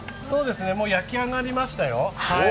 もう焼き上がりましたよ。